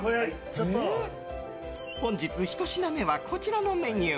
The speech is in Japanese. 本日１品目はこちらのメニュー。